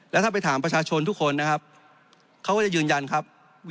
แล้วถ้าไปถามประชาชนทุกคนนะครับเขาก็จะยืนยันครับ